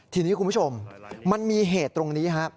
ทีนี้คุณผู้ชมมันมีเหตุตรงนี้ครับ